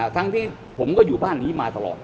ทั้งที่ผมก็อยู่บ้านนี้มาตลอด